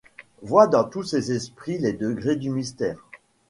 Voit dans tous ces esprits les degrés du mystère ;